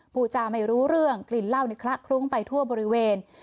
ผู้จาไม่รู้เรื่องกลิ่นเหล้าในคละคลุ้งไปทั่วบริเวณ